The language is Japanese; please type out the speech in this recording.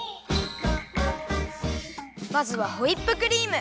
まずはホイップクリーム！